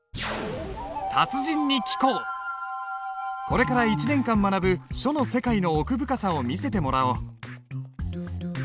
これから１年間学ぶ書の世界の奥深さを見せてもらおう。